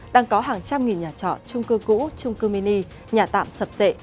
đang có hàng trăm nghìn nhà trọ trung cư cũ trung cư mini nhà tạm sập sệ